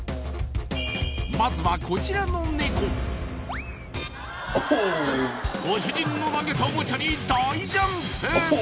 まずはこちらのネコご主人の投げたおもちゃに大ジャンプ